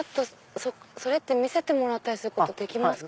それ見せてもらったりすることできますか？